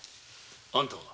あんたは？